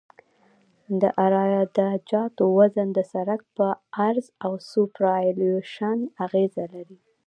د عراده جاتو وزن د سرک په عرض او سوپرایلیویشن اغیزه لري